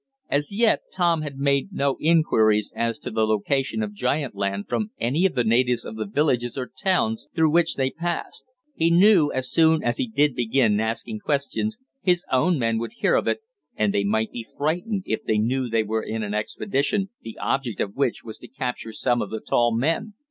As yet Tom had made no inquiries as to the location of giant land from any of the natives of the villages or towns through which they passed. He knew as soon as he did begin asking questions, his own men would hear of it, and they might be frightened if they knew they were in an expedition the object of which was to capture some of the tall men.